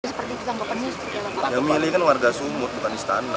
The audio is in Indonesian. seperti ditangkapannya yang memilih kan warga sumut bukan istana